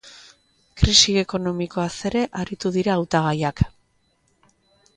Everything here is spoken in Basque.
Krisi ekonomikoaz ere aritu dira hautagaiak.